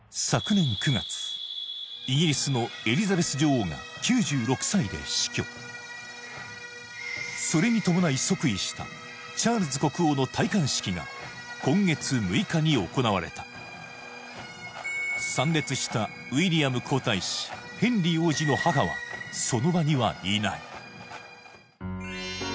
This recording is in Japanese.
昨年９月イギリスのエリザベス女王が９６歳で死去それに伴い即位したチャールズ国王の戴冠式が今月６日に行われた参列したウィリアム皇太子ヘンリー王子の母はその場にはいない